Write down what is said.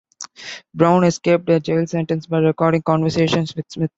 Brown escaped a jail sentence by recording conversations with Smith.